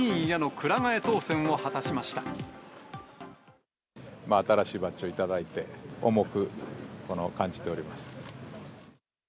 新しいバッジを頂いて、重く感じております。